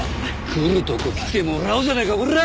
来るとこ来てもらおうじゃねえかコラ！